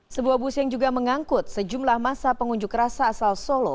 sebuah bus yang juga mengangkut sejumlah masa pengunjuk rasa asal solo